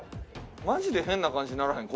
マジで変な感じにならへん？